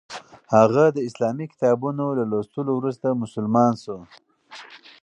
هغه د اسلامي کتابونو له لوستلو وروسته مسلمان شو.